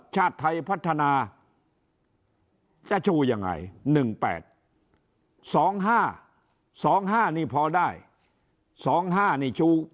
ชาติไทยพัฒนาจะชูยังไงหนึ่งแปดสองห้าสองห้านี่พอได้สองห้านี่ชู